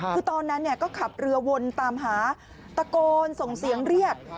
คือตอนนั้นก็ขับเรือวนตามหาตะโกนส่งเสียงเรียก